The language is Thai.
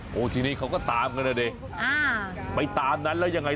โอ้โหทีนี้เขาก็ตามกันแล้วเนี่ยอ่าไปตามนั้นแล้วยังไงต่อ